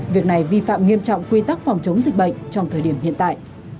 việc này vi phạm nghiêm trọng quy tắc phòng chống dịch bệnh trong thời điểm hiện tại